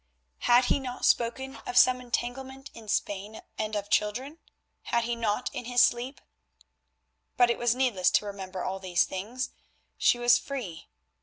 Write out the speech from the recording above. Had he not spoken of some entanglement in Spain and of children? Had he not in his sleep—but it was needless to remember all these things. She was free!